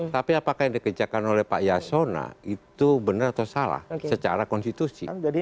tapi apakah yang dikerjakan oleh pak yasona itu benar atau salah secara konstitusi